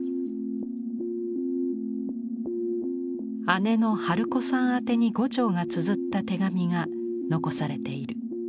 姉の春子さん宛てに牛腸がつづった手紙が残されている。